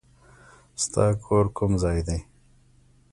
ستا کور کوم ځای دی؟